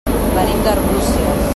Venim d'Arbúcies.